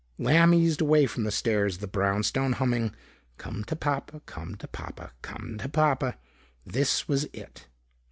Lamb eased away from the stairs of the brownstone, humming "Come to Papa, come to Papa, come to Papa...." This was it.